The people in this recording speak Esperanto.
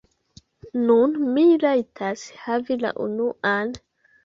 Nun mi rajtas havi la unuan...